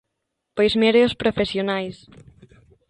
Pois, mire, os profesionais.